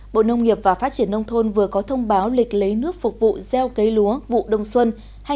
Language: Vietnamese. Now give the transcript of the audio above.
bộ nông nghiệp và phát triển nông thôn vừa có thông báo lịch lấy nước phục vụ gieo cấy lúa vụ đông xuân hai nghìn một mươi chín